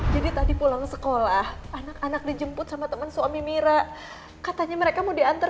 jadi tadi pulang sekolah anak anak dijemput sama teman suami mira katanya mereka mau diantar